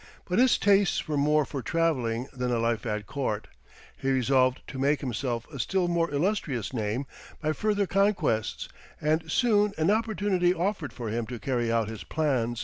But his tastes were more for travelling than a life at court; he resolved to make himself a still more illustrious name by further conquests, and soon an opportunity offered for him to carry out his plans.